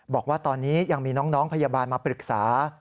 บอกว่าตอนนี้ยังมีน้องพยาบาลมาปรึกษา